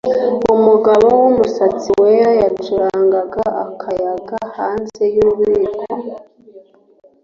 Umugabo wumusatsi wera yacurangaga akayaga hanze yububiko